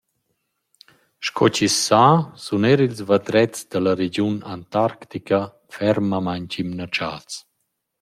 Sco chi’s sa sun eir ils vadrets da la regiun antarctica fermamaing imnatschats.